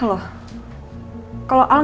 tadi mama papa bantah loh